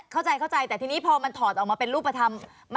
เข้าใจเข้าใจแต่ทีนี้พอมันถอดออกมาเป็นรูปธรรม